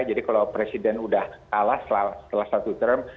jadi kalau presiden sudah kalah setelah satu term